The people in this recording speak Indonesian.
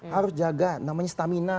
harus jaga namanya stamina